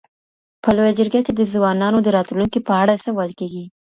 په لویه جرګه کي د ځوانانو د راتلونکي په اړه څه ویل کیږي؟